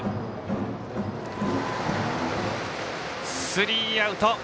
スリーアウト。